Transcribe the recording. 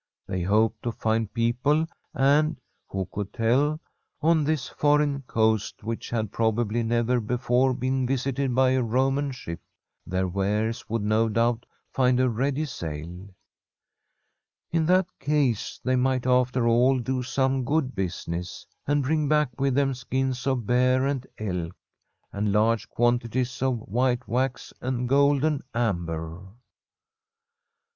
They hoped to find people, and — who could tell? — on this foreign coast, which had probably never before been visited by a Roman ship, their wares would no doubt find a ready sale. In that case they might after all do some good business, and bring back with them skins of bear and elk, and large quantities of white wax and golden amber.